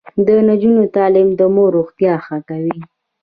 د نجونو تعلیم د مور روغتیا ښه کوي.